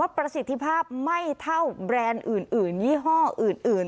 ประสิทธิภาพไม่เท่าแบรนด์อื่นยี่ห้ออื่น